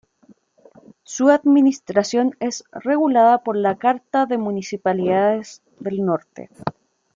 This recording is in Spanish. Su administración es regulada por "La carta de municipalidades del norte".